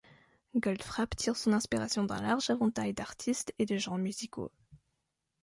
Goldfrapp tire son inspiration d'un large éventail d'artistes et de genres musicaux.